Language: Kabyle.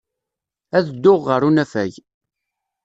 Ad dduɣ ɣer unafag.